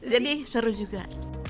jadi seru juga